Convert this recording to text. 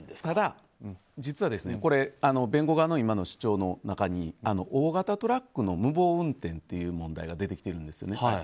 ただ、実は弁護側の今の主張の中に大型トラックの無謀運転という問題が出てきてるんですよね。